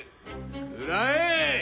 くらえ！